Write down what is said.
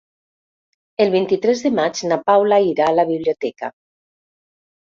El vint-i-tres de maig na Paula irà a la biblioteca.